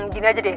gini aja deh